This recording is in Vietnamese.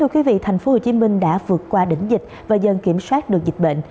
thưa quý vị thành phố hồ chí minh đã vượt qua đỉnh dịch và dần kiểm soát được dịch bệnh